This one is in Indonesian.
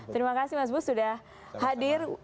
terima kasih mas bus sudah hadir